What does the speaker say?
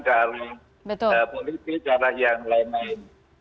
cara politik cara yang lain lain